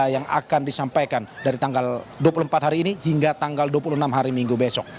yang akan disampaikan dari tanggal dua puluh empat hari ini hingga tanggal dua puluh enam hari minggu besok